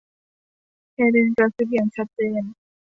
เฮเลนกระซิบอย่างชัดเจน